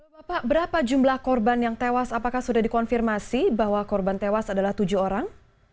bapak berapa jumlah korban yang tewas apakah sudah dikonfirmasi bahwa korban tewas adalah tujuh orang